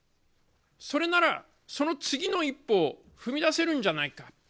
それなら、その次の一歩を踏み出せるんじゃないか。